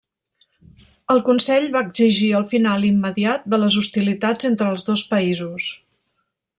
El Consell va exigir el final immediat de les hostilitats entre els dos països.